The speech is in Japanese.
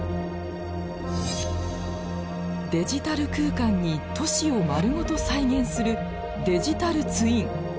デジタル空間に都市を丸ごと再現するデジタルツイン。